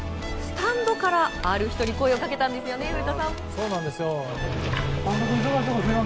スタンドからある人に声をかけたんですよね。